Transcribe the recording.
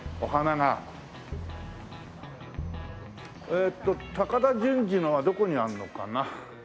えーっと高田純次のはどこにあるのかな？